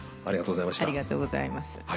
ありがとうございます。